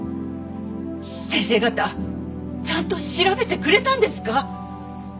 先生方ちゃんと調べてくれたんですか？